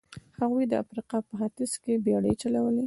هغوی د افریقا په ختیځ کې بېړۍ چلولې.